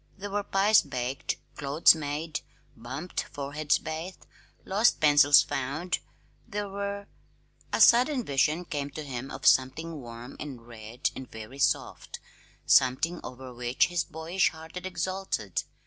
There were pies baked, clothes made, bumped foreheads bathed, lost pencils found; there were a sudden vision came to him of something warm and red and very soft something over which his boyish heart had exulted.